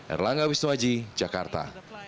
erlangga wisnuaji jakarta